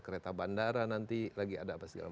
kereta bandara nanti lagi ada apa segala macam